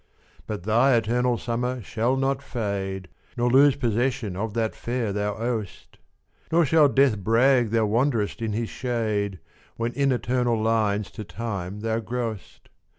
But thy eternal summer shall not fade, Nor lose possession of that fair thou owest; Nor shall death brag thou wanderest in his shade, When in eternal lines to time thou growest.